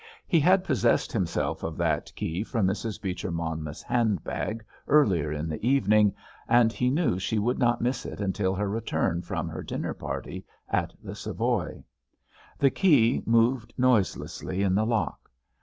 He had possessed himself of that key from Mrs. Beecher Monmouth's handbag earlier in the evening, and he knew she would not miss it until her return from her dinner party at the Savoy. The key moved noiselessly in the lock.